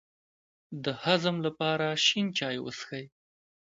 د هضم لپاره شین چای وڅښئ